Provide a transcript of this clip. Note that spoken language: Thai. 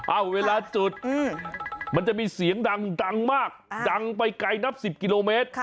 เวลาจุดมันจะมีเสียงดังมากดังไปไกลนับ๑๐กิโลเมตร